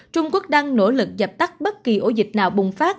trung quốc đang nỗ lực dập tắt bất kỳ ổ dịch nào bùng phát